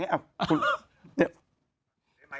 ไมค์ที่เค้าเขียนมา